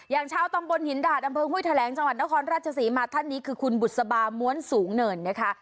อย่างชาวตำบลหินดาดอำเภอห้วยแถลงจังหวัดนครราชศรีมาท่านนี้คือคุณบุษบาม้วนสูงเนินนะคะ